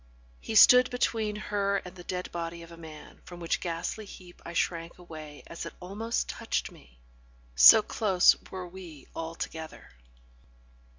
He stood between her and the dead body of a man, from which ghastly heap I shrank away as it almost touched me, so close were we all together.